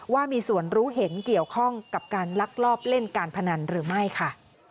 ว่ามีส่วนรู้เห็นเกี่ยวข้องกับการลักลอบเล่นการพนันหรือไม่ค่ะ